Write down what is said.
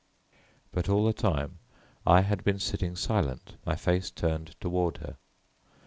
But all the time I had been sitting silent, my face turned toward her.